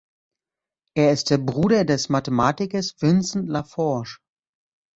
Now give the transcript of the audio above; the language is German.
Er ist der Bruder des Mathematikers Vincent Lafforgue.